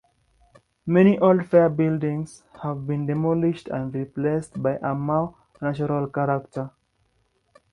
Many old fair buildings have been demolished and replaced by a more natural character.